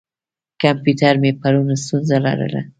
کمپیوټر مې پرون ستونزه لرله.